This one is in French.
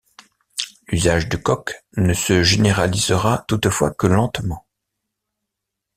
L'usage du coke ne se généralisera toutefois que lentement.